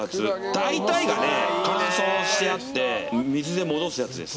大体が乾燥してあって水で戻すやつです。